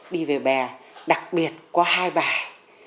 đi về bè đặc biệt có hai bài